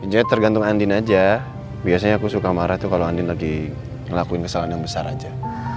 jadi tergantung andin aja biasanya aku suka marah tuh kalau andin lagi ngelakuin kesalahan yang besar aja